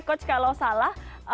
coach kalau salah